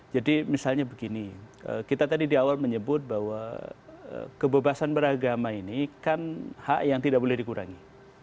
jadi misalnya begini kita tadi di awal menyebut bahwa kebebasan beragama ini kan hak yang tidak boleh dikurangi